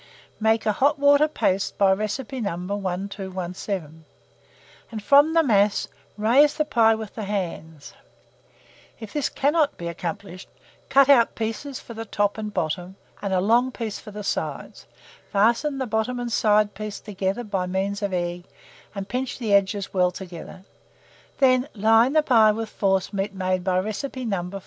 Make a hot water paste by recipe No. 1217, and from the mass raise the pie with the hands; if this cannot be accomplished, cut out pieces for the top and bottom, and a long piece for the sides; fasten the bottom and side piece together by means of egg, and pinch the edges well together; then line the pie with forcemeat made by recipe No.